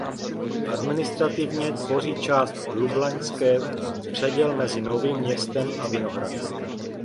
Administrativně tvoří část Lublaňské předěl mezi Novým Městem a Vinohrady.